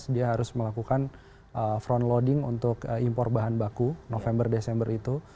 dia harus melakukan front loading untuk impor bahan baku november desember itu